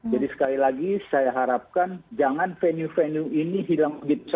jadi sekali lagi saya harapkan jangan venue venue ini hilang